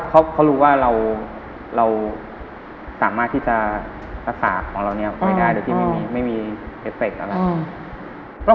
เขารู้ว่าเราสามารถที่จะรักษาของเราเนี่ยไว้ได้โดยที่ไม่มีเอฟเฟคอะไร